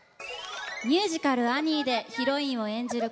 ミュージカル「アニー」でヒロインを演じる